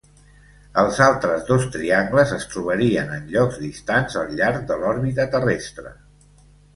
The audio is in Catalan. Els altres dos triangles es trobarien en llocs distants al llarg de l'òrbita terrestre.